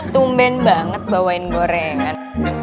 tumben banget bawain gorengan